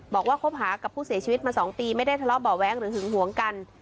คบหากับผู้เสียชีวิตมา๒ปีไม่ได้ทะเลาะเบาะแว้งหรือหึงหวงกัน